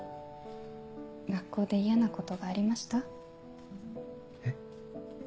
学校で嫌なことがありました？えっ？